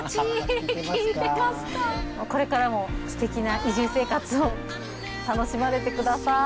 これからもステキな移住生活を楽しまれてください。